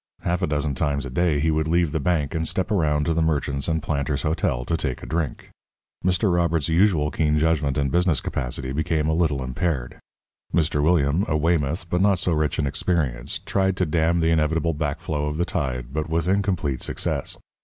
Half a dozen times a day he would leave the bank and step around to the Merchants and Planters' Hotel to take a drink. Mr. Robert's usual keen judgment and business capacity became a little impaired. Mr. William, a Weymouth, but not so rich in experience, tried to dam the inevitable backflow of the tide, but with incomplete success.